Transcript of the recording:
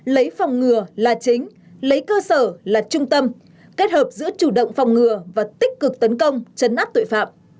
lấy phòng ngừa là chính lấy cơ sở là trung tâm kết hợp giữa chủ động phòng ngừa và tích cực tấn công chấn áp tội phạm